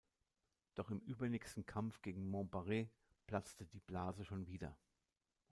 Doch im übernächsten Kampf gegen Monte Barrett platzte die Blase schon wieder.